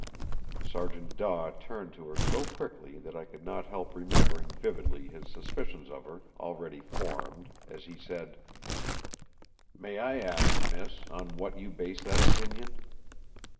Sergeant Daw turned to her so quickly that I could not help remembering vividly his suspicions of her, already formed, as he said: "May I ask, miss, on what you base that opinion?"